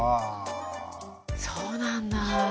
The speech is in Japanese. そうなんだあ。